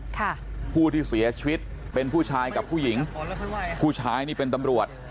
ค่ะผู้ที่เสียชีวิตเป็นผู้ชายกับผู้หญิงผู้ชายนี่เป็นตำรวจ